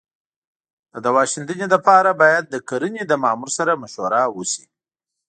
د دوا شیندنې لپاره باید د کرنې له مامور سره مشوره وشي.